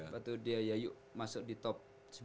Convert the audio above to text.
waktu dia yayuk masuk di top sembilan belas